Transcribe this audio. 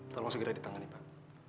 tolong segera di tangan pak